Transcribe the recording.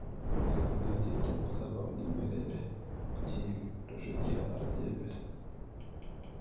ariko nanjye icyo ngusaba unyemerere ukimpe». Rujugira arabyemera.